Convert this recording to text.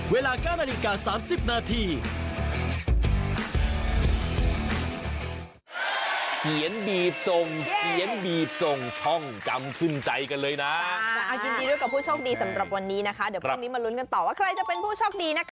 เวลาการณีการ๓๐นาที